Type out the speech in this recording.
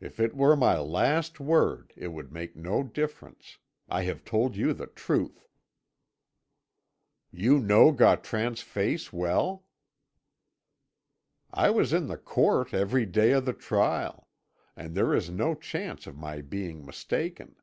"If it were my last word it would make no difference. I have told you the truth." "You know Gautran's face well?" "I was in the court every day of the trial, and there is no chance of my being mistaken.